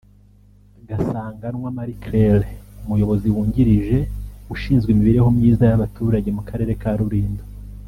Gasanganwa Marie Claire umuyobozi wungirije ushinzwe imibereho myiza y’abaturage mu Karere ka Rulindo